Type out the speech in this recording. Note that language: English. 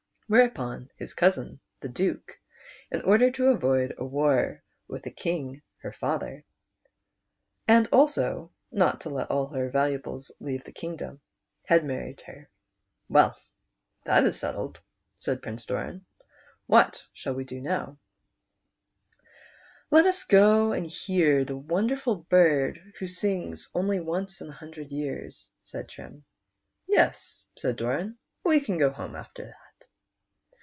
Whereupon his cousin the Duke, in order to a\oid a war with the King her father, and also not to let all her valuables leave the kingdom, had married her. "Well, that is settled," said Prince Doran; "what shall we do now ?" 152 PRINCE DO RAN. " Let us go and hear the wonderful bird who sings only once in a hundred years," said Trim. " Yes," said Doran ;" we can go home after that."